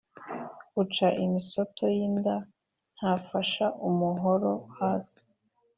Uca imisoto y’inda ntafasha umuhoro hasi.